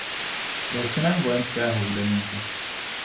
Byl synem vojenského hudebníka.